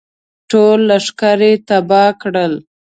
ټول لښکر یې تباه کړل.